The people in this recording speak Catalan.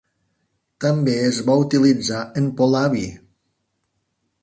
També es va utilitzar en polabi.